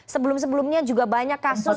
sebelum sebelumnya juga banyak kasus